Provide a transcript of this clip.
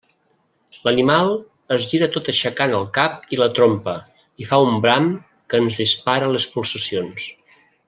L'animal es gira tot aixecant el cap i la trompa, i fa un bram que ens dispara les pulsacions.